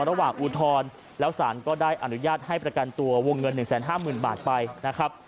อุทธรณ์แล้วสารก็ได้อนุญาตให้ประกันตัววงเงิน๑๕๐๐๐บาทไปนะครับ